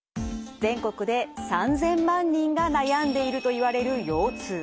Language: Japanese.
全国で３，０００万人が悩んでいるといわれる腰痛。